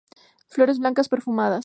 Flores blancas, perfumadas.